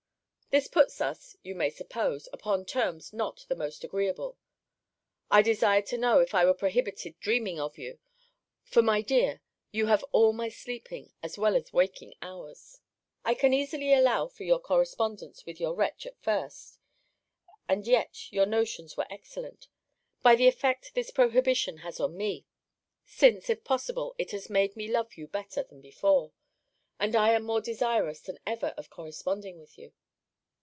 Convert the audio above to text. This put us, you may suppose, upon terms not the most agreeable, I desired to know, if I were prohibited dreaming of you? For, my dear, you have all my sleeping as well as waking hours. I can easily allow for your correspondence with your wretch at first (and yet your notions were excellent) by the effect this prohibition has upon me; since, if possible, it has made me love you better than before; and I am more desirous than ever of corresponding with you.